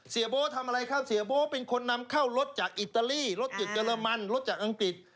เสียบูทำอะไรช่างระบบเสียบูเป็นคนนำเข้ารถจากอิตาลีรถจากอังกฤษ